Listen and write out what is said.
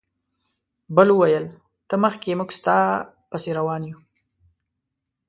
بل وویل ته مخکې موږ ستا پسې روان یو.